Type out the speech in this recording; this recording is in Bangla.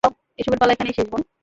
এসবের পালা এখানেই শেষ, বোন।